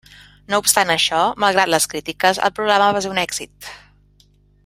No obstant això, malgrat les crítiques, el programa va ser un èxit.